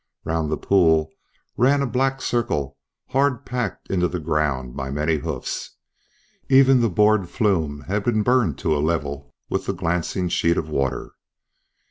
Round the pool ran a black circle hard packed into the ground by many hoofs. Even the board flume had been burned to a level with the glancing sheet of water.